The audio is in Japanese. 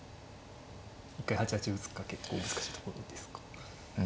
一回８八歩打つか結構難しいところですか。